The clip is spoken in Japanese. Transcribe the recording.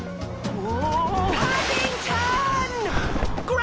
お！